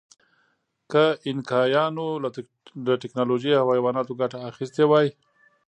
که اینکایانو له ټکنالوژۍ او حیواناتو ګټه اخیستې وای.